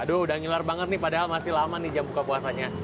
aduh udah ngilar banget nih padahal masih lama nih jam buka puasanya